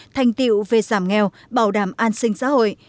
thành tiệu về giảm nghèo bảo đảm an sinh xã hội